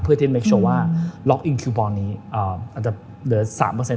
เพื่อที่จะเชื่อว่าล็อกอินคิวปอนด์นี้อาจจะเหลือ๓